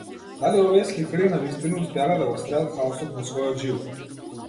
Дали овие сликари навистина успеале да го средат хаосот во својот живот?